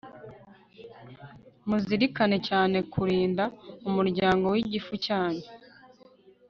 muzirikane cyane ku kurinda umuryango wigifu cyanyu